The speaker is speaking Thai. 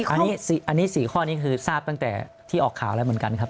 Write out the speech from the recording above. อันนี้๔ข้อนี้คือทราบตั้งแต่ที่ออกข่าวแล้วเหมือนกันครับ